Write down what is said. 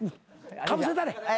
かぶせたれ。